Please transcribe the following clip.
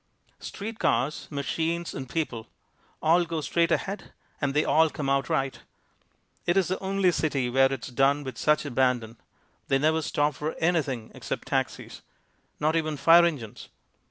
Street cars, machines and people all go straight ahead and they all come out right. It's the only city where it's done with such abandon. They never stop for anything except taxis not even fire engines.